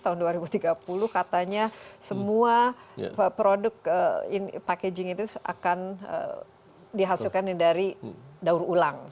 tahun dua ribu tiga puluh katanya semua produk packaging itu akan dihasilkan dari daur ulang